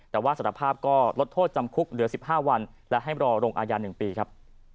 แต่ว่าสารภาพก็ลดโทษจำคุกเหลือ๑๕วันและให้รอลงอายา๑ปีครับ